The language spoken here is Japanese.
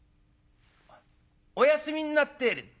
「お休みになってる」。